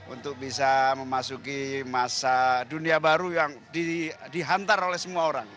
untuk bisa memasuki masa dunia baru yang dihantar oleh semua orang